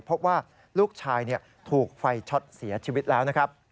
เพราะว่าลูกชายถูกไฟช็อตเสียชีวิตแล้ว